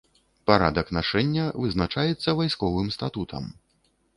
Парадак нашэння вызначаецца вайсковым статутам.